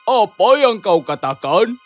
apa yang kau katakan